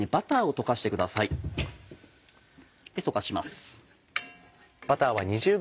溶かします。